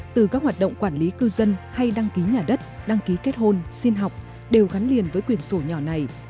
từ các hoạt động quản lý cư dân hay đăng ký nhà đất đăng ký kết hôn xin học đều gắn liền với quyền sổ nhỏ này